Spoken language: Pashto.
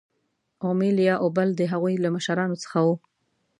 اومیل یا اوبل د هغوی له مشرانو څخه وو.